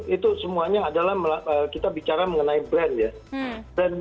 itu semuanya adalah kita bicara mengenai brand ya